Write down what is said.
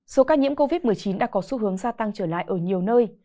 số ca nhiễm covid một mươi chín đã có xu hướng gia tăng trở lại ở nhiều nơi